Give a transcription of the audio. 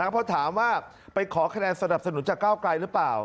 เพราะถามว่าไปขอคะแนนสนับสนุนจากก้าวไกลหรือเปล่า